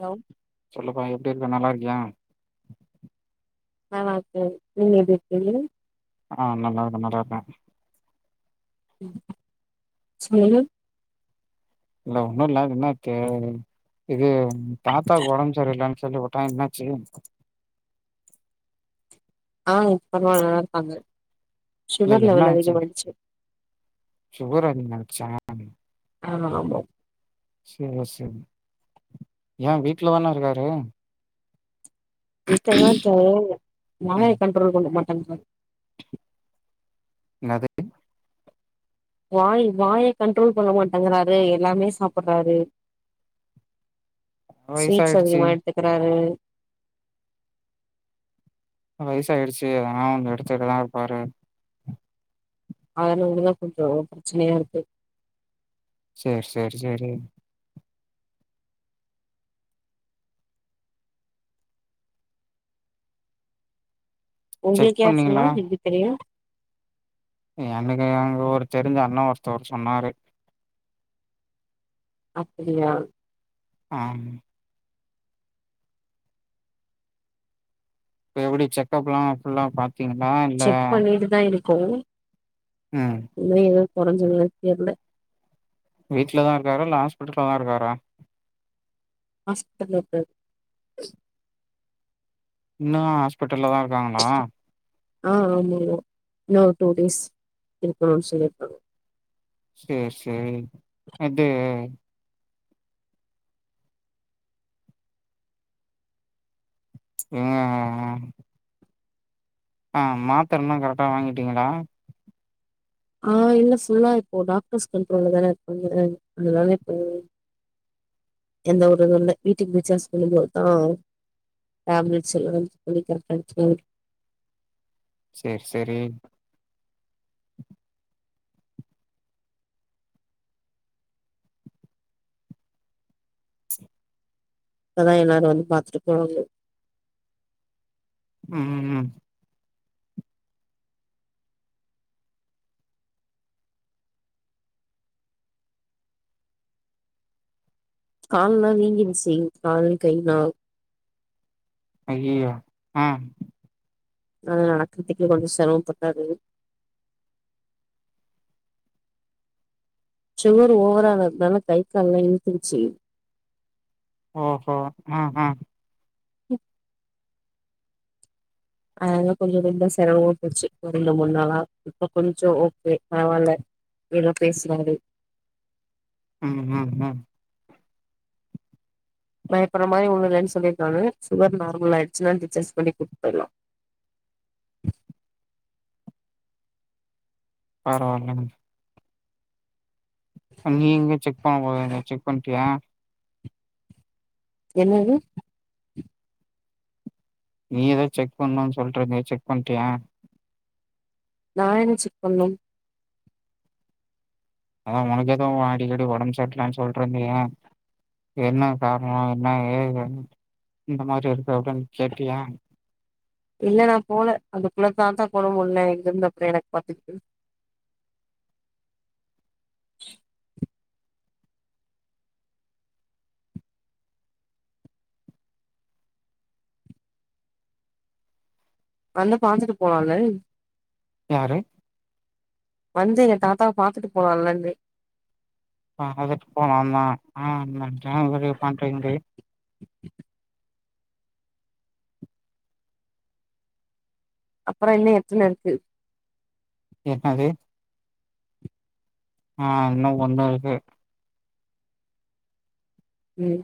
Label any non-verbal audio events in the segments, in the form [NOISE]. hello சொல்லுப்பா எப்டி இருக்க நல்லாருக்கியா நா நல்லாருக்க நீங்க எப்டி இருக்கீங்க ஆ நல்லாருக்க நல்லாருக்க ம் சொல்லுங்க இல்ல ஒண்ணு இல்ல என்ன க்கு இது தாத்தாவுக்கு ஒடம்பு சரியில்லன்னு சொல்லி ட்டா என்னாச்சி ஆ இப்ப பரவாயில்ல நல்லாருக்காங்க இல்ல சுகர் என்ன லெவல் ஆச்சு அதிகமாயிடுச்சு சுகர் அதிகமாயிடுச்சா ஆமா ரொம்போ சே செரி ஏன் வீட்ல தானே இருக்காரு வீட்லதா இருக்காரு வாய ம் கண்ட்ரோல் பண்ண மாட்டேங்கிறாரு என்னது வாய் வாய கண்ட்ரோல் பண்ண மாட்டேங்கறாரு எல்லாமே சாப்டறாரு ஸ்வீட்ஸ் வயசாயிடுச்சு அதிகமா எடுத்துக்கறாரு வயசு ஆயிடுச்சு அதனா எடுத்துட்டுதா இருப்பாரு அதனாலதா கொஞ்சோ பிரச்சனையா இருக்கு சேர் செரி செரி செக் உங்களுக்கு யார் சொன்ன பண்ணீங்களா எப்டி தெரியு எனக்கு அங்க ஒரு தெரிஞ்ச அண்ணே ஒருத்தவர் சொன்னாரு அப்பிடியா ஆம் இப்ப எப்டி செக்கப்லா ஃபுல்லா பாத் திங்கள செக் பண்ணிட்டு தா இருக்கோ ம் இன்னு எதும் கொறஞ்ச மார் தெர்ல வீட்ல தா இருக்காரா இல்ல ஹாஸ்பிடல்ல தா இருக்காரா ஹாஸ்பட்ல்ல இருக்காரு இன்னு ஹாஸ்பிட்டல்ல தா இருக்காங்களா ஆ ஆமாமா இன்னு ஒரு டூ டேஸ் இருக்கணும்னு சொல்லியிருக்காங்க சேர் செரி அது ம் ம் ம் ஆ மாத்தரனா கரெக்டா ஆ வாங்கிட்டீங்களா ஆ இல்ல ஃபுல்லா இப்போ டாக்டர்ஸ் கண்ட்ரோல்ல தானே இருப்பாங்க அதுனால இப்போ எந்த ஒரு இது இல்ல வீட்டுக்கு டிசார்ஜ் பண்ணும்போ தா டேப்லெட்ஸ் எல்லா [UNINTELLIGIBLE] கரெக்டா எடுத்துபாங்க சேர் செரி அதா எல்லாரு வந்து பாத்துட்டு போனாங்க ம் கால்லா வீங்கிருச்சி கால் கைலா ஐயையோ ஆ அதன நடக்குறதுக்கே கொஞ்சோ செறம பட்டாரு சுகர் ஓவராலதுனால கை கால் எல்லா இழுத்துகிச்சு ஓ ஹோ ம் ம் [INAUDIBLE] அதானல தா கொஞ்ச ரெம்ப செரமமா போச்சு ரெண்டு முன்னாளா இப்ப கொஞ்சோ ஓகே பரவால்ல எதோ பேசுறாறு ம் ம் ம் பயப்பட்ற மாரி ஒன்னு இல்லன்னு சொல்லிருக்காங்க சுகர் நார்மல் ஆயிச்சுன்னா டிஸ்சார்ஜ் பண்ணி கூட்டு போயிருலா பரவாயில்ல நீ எங்கயோ செக் பண்ண போறேன்னியே செக் பண்ணிட்டியா என்னது நீ எதோ செக் பண்ணும்னு சொல்ற நீ செக் பண்ட்டியா நா என்ன செக் பண்ணு அதா உனக்கெதோ அடிக்கடி உடம்பு சரில்லன்னு சொல்டுருந்தியே என்ன காரணோ என்ன ஏ இந்த மாரி இருக்கு அப்டின்னு கேட்டியா இல்ல நா போல அதுக்குள்ள கான்டாக்ட் பண்ண முல்ல எங்க இருந்து அப்புறோ எனக்கு பாத்துக்ட்டு வந்து பாத்துட்டு போலால்லே யாரு வந்து எங்க தாத்தாவா பாத்துட்டு போலால்ல ன்னே அ அதுக்கு போலமா அ ஜான் வரே பண்றேன்து அப்புறோ இன்னு எத்தன இருக்கு என்னது ஆ இன்னு ஒன்னு இருக்கு ம்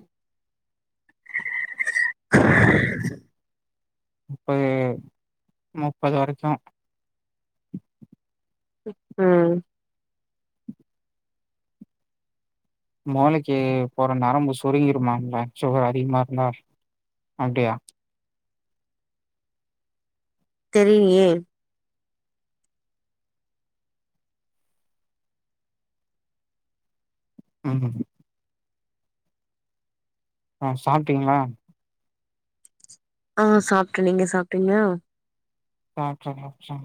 முப்பது முப்பது வரைக்கு ம் மூளைக்கு போற நரம்பு சுருங்கிருமாம்ல சுகர் அதிகமா இருந்தா அப்டியா தெரிலயே ம் ஆ சாப்ட்டீங்களா ஆ சாப்ட நீங்க சாப்ட்டீங்கலா சாப்ட சாப்ட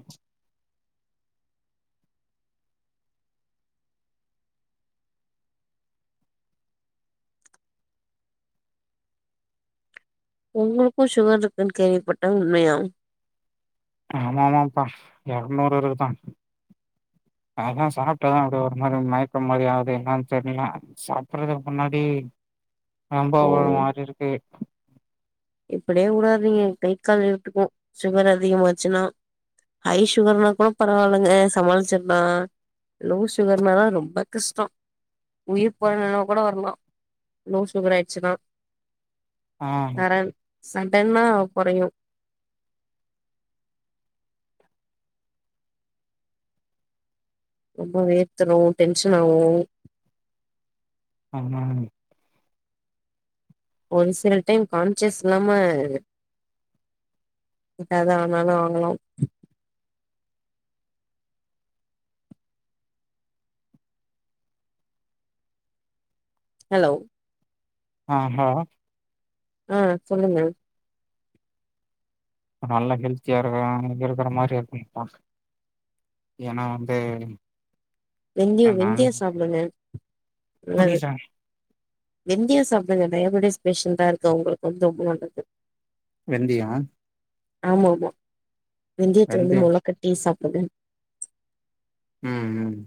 உங்களுக்கு சுகர் இருக்குன்னு கேள்விப்பட்ட உண்மையா ஆமா ஆமாப்பா எரநூறு இருக்குதா அதா சாப்ட்ட அப்டே ஒரு மாரி மயக்க மாரி ஆகுது என்னானு தெரில சாப்பறதுக்கு முன்னாடி ரொம்ப ஓ ஒரு மாறி இருக்கு இப்டே உடாதீங்க கை கால் இழுத்துக்கு சுகர் அதிகமாச்சுன்னா ஹை சுகர்னா கூட பரவாயில்லங்க சமாளிச்சிட்லா லோ சுகர்னாதா ரொம்ப கஷ்டோ உயிர் போறா நெலமகூட வர்லா லோ சுகர் ஆயிடுச்சுன்னா ஆ சரண் சடன்னா கொறயு ரொம்ப வேத்துரு டென்ஷன் ஆவு ஆமாம் ஒரு சில டைம் கான்சியஸ் இல்லாம எதா ஆனாலு ஆகலாம் ஹலோ ஆ கோ ஆ சொல்லுங்கள் நல்லா ஹெல்த்தியா இருக்க இங்க இருக்கிற மாரி இருக்கனு [UNINTELLIGIBLE] ஏன்னா வந்து வெந்தயோ நான் வெந்தயோ சாப்டுங்க நல்லது புரில வெந்தயோ சாப்டுங்க டயாபெட்டிஸ் பேஷண்டா இருக்க உங்களுக்கு வந்து ரொம்ப நல்லது வெந்தியோ ஆமா ஆமா வெந்தயத்த வந்து வெந்தயோ மொள கட்டி சாப்புடுங்க ம் ம்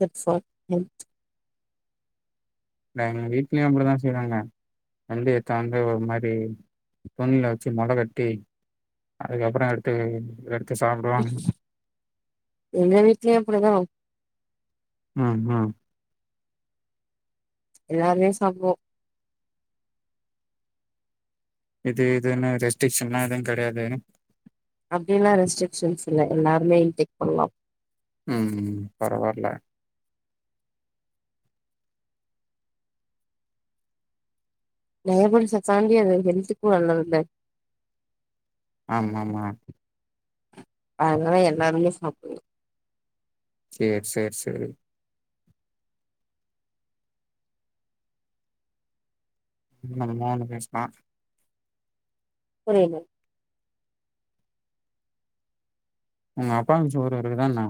குட் ஃபார் ஹெல்த் இல்ல எங்க வீட்லயு அப்டிதா செய்றாங்க வெந்தயாத்த தாந்து ஒரு மாரி தண்ணில வச்சு மொள கட்டி அதுக்கப்பறோ எடுத்து எடுத்து சாப்படுவாங்க எங்க வீட்லயு அப்டிதா நான் நான் எல்லாருமே சாப்டுவோ இது இது என்ன ரெஸ்ட்ரிக்ஷன் ஏதும் கடயாது அப்டிலா ரெஸ்ட்ரிக்ஷன்ஸ் இல்ல எல்லாருமே இன்டெக் பண்ணலா ம் பரவாயில்ல டயாபடிட்ச தாண்டி அது ஹெல்த்துக்கு நல்லதுல்ல ஆமா மா அதலா எல்லாருமே சாப்பலா சேரி சேரி சேரி [UNINTELLIGIBLE] புரியல உங்க அப்பாக்கு சுகர் ஏதா இருக்குதா இன்னா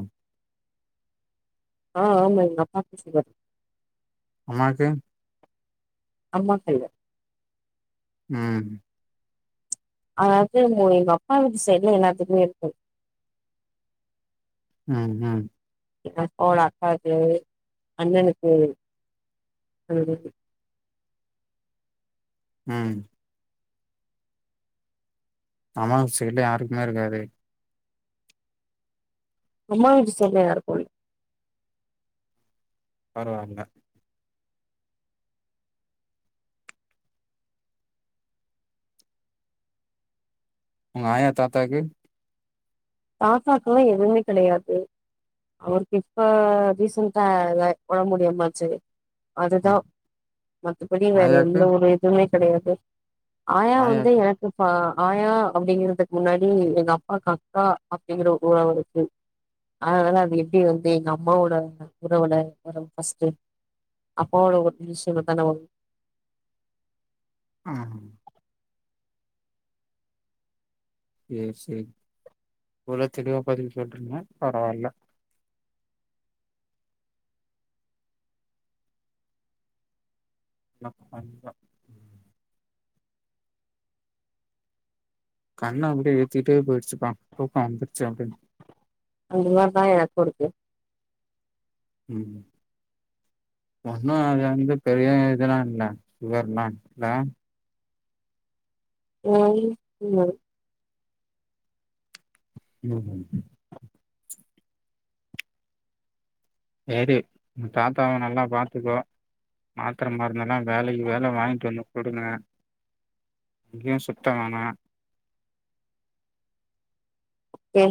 அ ஆமா எங்கஅப்பாக்கு சுகர் அம்மாக்கு அம்மாக்கில்ல ம் அது எங்கப்பா வீட்டு சைட்ல எல்லாத்துக்கு இருக்கு நான் நான் எங்கப்பாவோட அக்காலுக்கு அண்ணணுக்கு அது இருக்கு நான் அம்மா வீட் சைடுல யாருக்குமே இருக்காதே அம்மா வீட்டு சைடுல யாருக்கு இல்ல பரவால்ல உங்காயா தாத்தாக்கு தாத்தாக்லா எதுவுமே கெடையாது அவருக்கு இப்ப ரீசன்ட்டா ஒடம்பு முடியமாச்சு அதுதா ஆ மத்தபடி வேற எந்த ஆயாக்கு ஒரு இதுவுமே கெடையாது ஆயா வந்து எனக்குப்ப ஆயா அப்டிங்கிறத்துக் முன்னாடி எங்கப்பா கா ப்பா அப்டிங்கிற ஒரு உறவா இருக்கு அதனாலா அது எப்டி வந்து எங்க அம்மாவோட உறவுல வரு ஃபஸ்ட்டு அப்பாவோட ஒரு நிமிஷ இருந்தாதான வரும் ஆமா சேரி சேரி இவ்ள தெளிவா பதில் சொல்றிங்க பரவால்ல அம்மா தங்க கண்ண அப்டியே இழுத்திட்டே போயிருச்சுப்பா தூக்க வந்துருச்சு அப்டின் அந்த மாரிதா எனக்கு இருக்கு ம் ஒன்னு அது வந்து பெரிய இதலா இல்ல சுகர்லாம் இல்ல [UNINTELLIGIBLE] ம் சேரி ஒங்க தாத்தாவ நல்லா பாத்துக்கோ மாத்தர மருந்தல்லாம் வேளைக்கு வேள வாங்கிட்டு வந்து குடுங்க எங்கயும் சுத்தவேனா ஓகே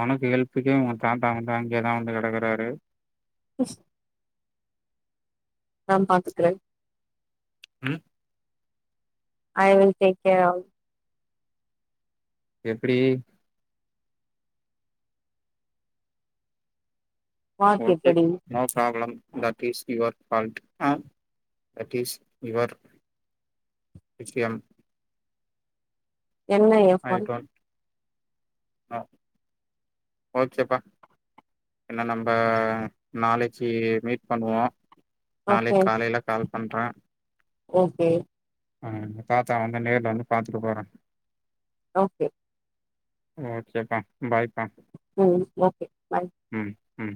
ஒனக்கு ஹெல்ப்புக்கே உங்க தாத்தா மட்டுந்தா அங்கே தா வந்து கெடக்குறாரு எஸ் நான் பாத்துக்குறேன் ம் I will take care all எப்பிடி வாக் ஓகே எப்படி no problem that is your fault a that is your விஷ்யம் என்னயா ஐ டோன்ட் அ ஓகேப்பா என்ன நம்ப நாளக்கி மீட் பண்ணுவோம் ஓகே நாளைக்கு காலையில கால் பண்றன் ஓகே அ ஒங்க தாத்தா வந்து நேர்ல வந்து பாத்துட்டு போறன் ஓகே ஓகேப்பா பாய்ப்பா ம் ஓகே பாய் ம் ம்